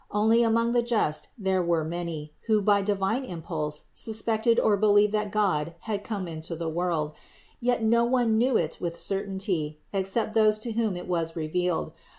Only among the just there were many, who by divine impulse suspected or believed that God had come into the world; yet no one knew it with certainty, except those to whom it was revealed.